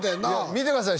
見てください